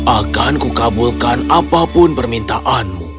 akanku kabulkan apapun permintaanmu